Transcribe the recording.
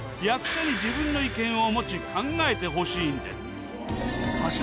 役者に自分の意見を持ち考えてほしいんです。